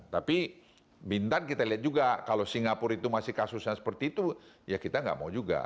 tapi bintan kita lihat juga kalau singapura itu masih kasusnya seperti itu ya kita nggak mau juga